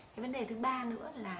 cái vấn đề thứ ba nữa là